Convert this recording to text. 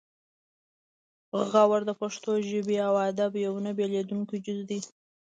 غور د پښتو ژبې او ادب یو نه بیلیدونکی جز دی